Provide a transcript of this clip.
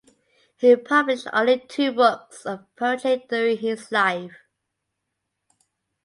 He published only two books of poetry during his life.